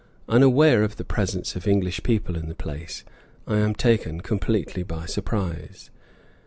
Unaware of the presence of English people in the place, I am taken completely by surprise.